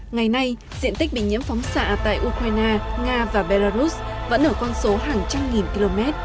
ngày nay diện tích bị nhiễm phóng xạ tại ukraine nga và belarus vẫn ở con số hàng trăm nghìn km